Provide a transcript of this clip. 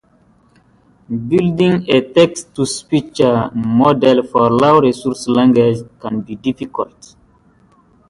The bridge is long and stands above water level.